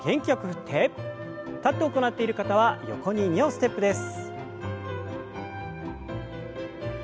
立って行っている方は横に２歩ステップです。